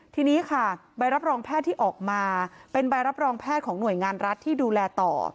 ทีนี้ค่ะใบรับรองแพทย์ที่ออกมาเป็นใบรับรองแพทย์ของหน่วยงานรัฐที่ดูแลต่อ